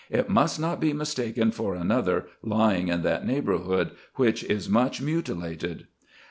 It must not be mistaken for another, lying in that neighbourhood, which is much mutilated.